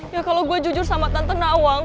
ya kalau gue jujur sama tante nawang